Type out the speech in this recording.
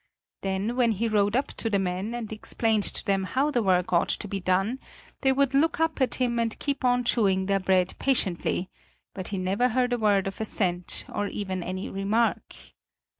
Then when he rode up to the men and explained to them how the work ought to be done, they would look up at him and keep on chewing their bread patiently; but he never heard a word of assent or even any remark.